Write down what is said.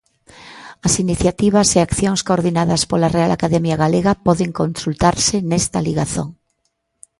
As iniciativas e accións coordinadas pola Real Academia Galega poden consultarse nesta ligazón.